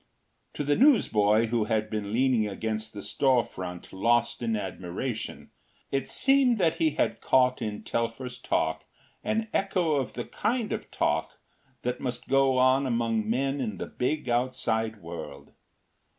To the newsboy, who had been leaning against the storefront lost in admiration, it seemed that he had caught in Telfer’s talk an echo of the kind of talk that must go on among men in the big outside world.